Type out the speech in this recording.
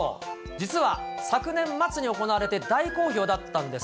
実は、昨年末に行われて大好評だったんです。